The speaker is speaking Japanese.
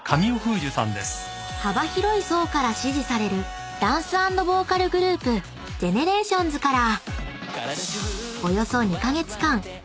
［幅広い層から支持されるダンス＆ボーカルグループＧＥＮＥＲＡＴＩＯＮＳから］